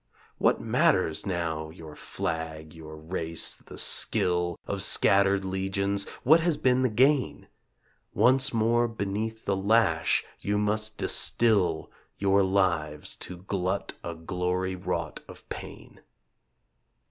What matters now your flag, your race, the skill Of scattered legions what has been the gain? Once more beneath the lash you must distil Your lives to glut a glory wrought of pain.